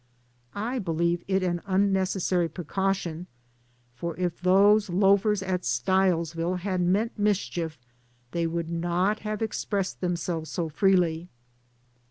I be lieve it an unnecessary precaution, for if those loafers at Stilesville had meant mis chief they would not have expressed them selves so freely.